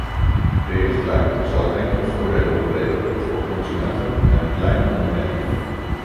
De richtlijn zal enkele voordelen opleveren voor consumenten en kleine ondernemingen.